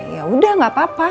ya udah gak apa apa